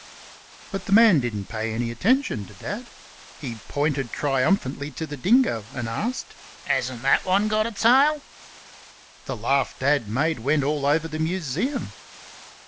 But the man didn't pay any attention to Dad. He pointed triumphantly to the dingo and asked, "Hasn't that one got a tail?" The laugh Dad made went all over the Museum.